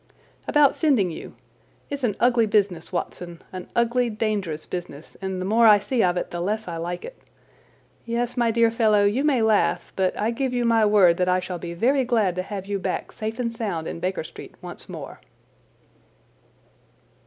"About sending you. It's an ugly business, Watson, an ugly dangerous business, and the more I see of it the less I like it. Yes, my dear fellow, you may laugh, but I give you my word that I shall be very glad to have you back safe and sound in Baker Street once more."